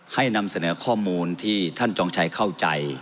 นำเสนอข้อมูลที่ท่านจองชัยเข้าใจ